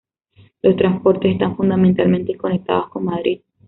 Los transportes están fundamentalmente conectados con Madrid.